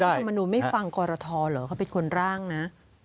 สาธารณะธรรมนูนไม่ฟังกรทหรอเขาเป็นคนร่างนะ